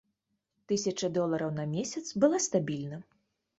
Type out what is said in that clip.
Тысяча долараў на месяц была стабільна.